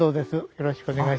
よろしくお願いします。